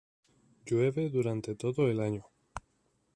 Llueve durante todo el año.